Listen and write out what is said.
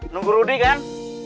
nunggu rudy kan